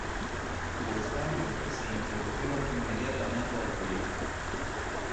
Los cambios se introdujeron inmediatamente al proyecto.